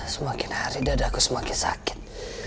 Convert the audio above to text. semakin hari dadaku semakin sakit